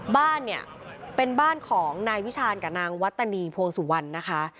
บ้านเนี่ยเป็นบ้านของนายวิชาณกับนางวัตนีพวงสุวรรณนะคะ